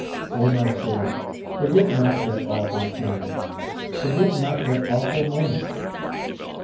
O, my soul, forget not that awful scene ; forget not that awful mo ment.